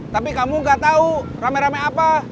tapi kamu gak tahu rame rame apa